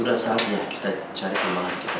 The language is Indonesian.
udah saatnya kita cari pemahaman kita